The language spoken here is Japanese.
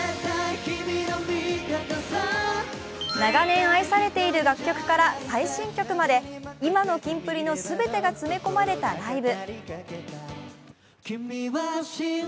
長年愛されている楽曲から最新曲まで今のキンプリの全てが詰め込まれたライブ。